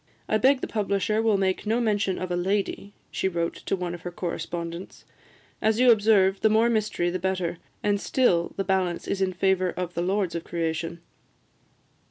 "I beg the publisher will make no mention of a lady," she wrote to one of her correspondents, "as you observe, the more mystery the better, and still the balance is in favour of the lords of creation.